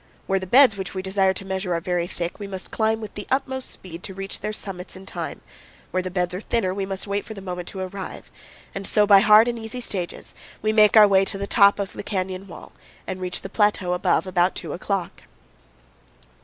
Where the beds which we desire to measure are very thick, we must climb with the utmost speed to reach their summits in time; where the beds are thinner, we must wait for the moment to arrive; and so, by hard and easy stages, we make our way to the top of the canyon wall and reach the plateau above about two o' clock.